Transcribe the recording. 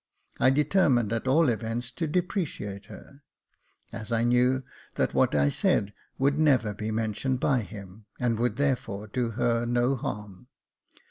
I deter mined at all events to depreciate her, as I knew that what I said would never be mentioned by him, and would there fore do her no harm.